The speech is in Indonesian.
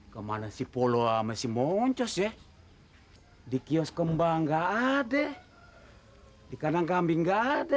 kemana sipolo amasi moncos ya di kios kembang gak ada di kanan kambing gak ada